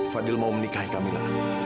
fadil mau menikahi kamila